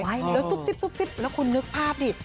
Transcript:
แล้วซุบซิบแล้วคุณนึกภาพดิ